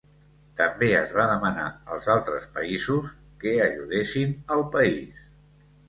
També es va demanar als altres països que ajudessin al país.